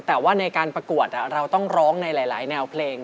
แต่ว่าในการประกวดเราต้องร้องในหลายแนวเพลง